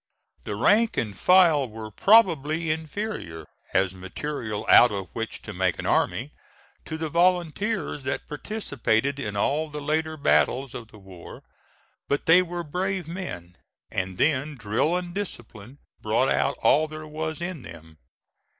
The rank and file were probably inferior, as material out of which to make an army, to the volunteers that participated in all the later battles of the war; but they were brave men, and then drill and discipline brought out all there was in them.